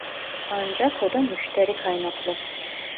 Ancak o da müşteri kaynaklı